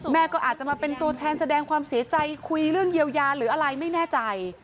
ก็อาจจะมาเป็นตัวแทนแสดงความเสียใจคุยเรื่องเยียวยาหรืออะไรไม่แน่ใจ